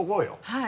はい。